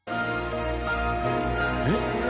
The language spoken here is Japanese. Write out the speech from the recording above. えっ？